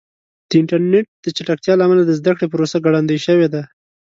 د انټرنیټ د چټکتیا له امله د زده کړې پروسه ګړندۍ شوې ده.